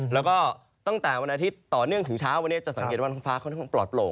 แล้วก็ตั้งแต่วันอาทิตย์ต่อเนื่องถึงเช้าวันนี้จะสังเกตว่าท้องฟ้าค่อนข้างปลอดโปร่ง